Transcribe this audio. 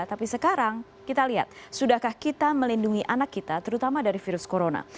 tapi sekarang kita lihat sudahkah kita melindungi anak kita terutama dari virus corona